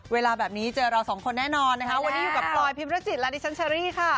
เวลาแบบนี้เจอเราสองคนแน่นอนนะคะวันนี้อยู่กับพลอยพิมรจิตและดิฉันเชอรี่ค่ะ